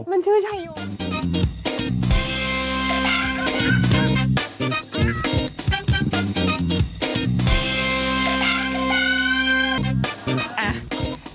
มันชื่อชัยโยเมล